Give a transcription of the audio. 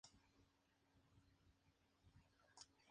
Un insulto a sus descendientes.